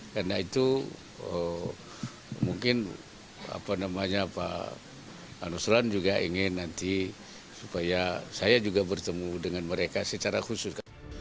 karena itu mungkin pak nusron juga ingin nanti supaya saya juga bertemu dengan mereka secara khusus